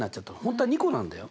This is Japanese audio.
本当は２個なんだよ。